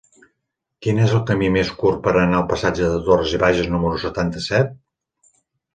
Quin és el camí més curt per anar al passatge de Torras i Bages número setanta-set?